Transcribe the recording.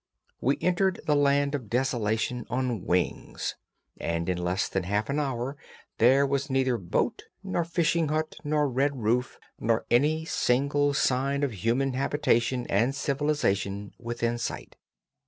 We entered the land of desolation on wings, and in less than half an hour there was neither boat nor fishing hut nor red roof, nor any single sign of human habitation and civilization within sight.